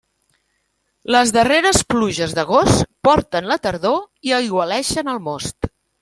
Les darreres pluges d'agost porten la tardor i aigualeixen el most.